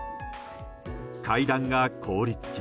階段が凍り付き